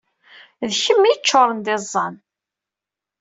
D kemm ay yeččuṛen d iẓẓan.